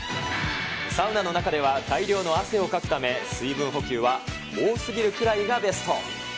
サウナの中では、大量の汗をかくため、水分補給は多すぎるぐらいがベスト。